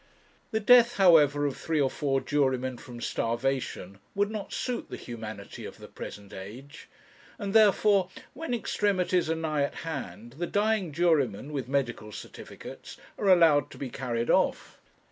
The death, however, of three or four jurymen from starvation would not suit the humanity of the present age, and therefore, when extremities are nigh at hand, the dying jurymen, with medical certificates, are allowed to be carried off.